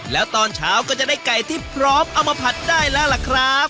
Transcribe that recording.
แล้วตอนเช้าก็จะได้ไก่ที่พร้อมเอามาผัดได้แล้วล่ะครับ